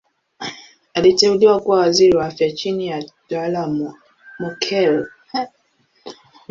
Aliteuliwa kuwa Waziri wa Afya chini ya utawala wa Mokhehle.